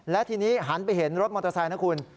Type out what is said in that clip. และทีนี้หันไปเห็นรถมอเตอร์ไซค์นะคุณ